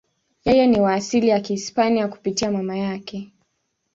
Yeye ni wa asili ya Kihispania kupitia mama yake.